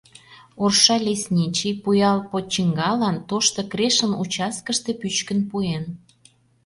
Орша лесничий Пуял почиҥгалан Тошто Крешын участкыште пӱчкын пуэн.